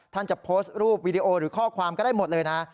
จะโพสต์รูปวิดีโอหรือข้อความก็ได้หมดเลยนะ